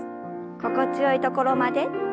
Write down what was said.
心地よいところまで。